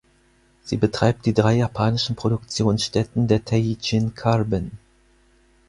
Sie betreibt die drei japanischen Produktionsstätten der Teijin Carbon.